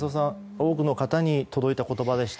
多くの方に届いた言葉でした。